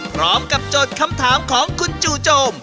พร้อมกับโจทย์คำถามของคุณจู่โจม